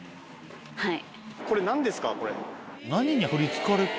はい。